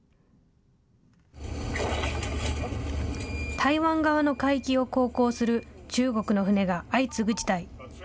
台湾側の海域を航行する中国の船が相次ぐ事態。